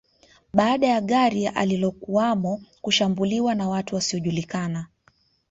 Baada ya gari alilokuwamo kushambuliwa na watu wasiojulikana